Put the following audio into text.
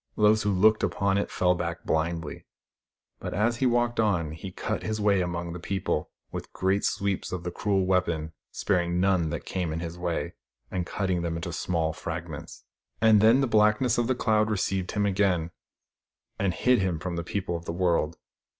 Those who looked upon it fell back blindly. But as he walked on he cut his way among the people, with great sweeps of the cruel weapon, sparing none that came in his way, and cutting them into small fragments. And THE STORY OF THE STARS 105 then the blackness of the cloud received him again, and hid him from the people of the world.